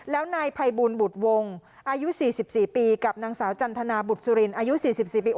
แล้วนายภัยบูลบุตรวงอายุ๔๔ปีกับนางสาวจันทนาบุตรสุรินอายุ๔๔ปี